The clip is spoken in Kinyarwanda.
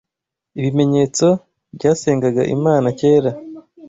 Ibimenyetso byasengaga imana kera